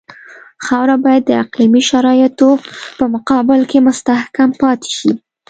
خاوره باید د اقلیمي شرایطو په مقابل کې مستحکم پاتې شي